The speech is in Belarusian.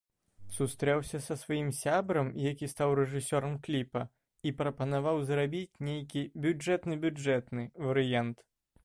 Сустрэўся са сваім сябрам, які стаў рэжысёрам кліпа, і прапанаваў зрабіць нейкі бюджэтны-бюджэтны варыянт.